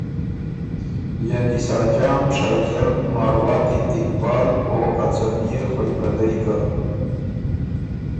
یعنی ساجان، شائزل، مارواتی، اقبال او ا څۀ بيې خوئ پردئ ګه